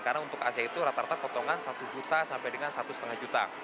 karena untuk ac itu rata rata potongan satu juta sampai dengan satu lima juta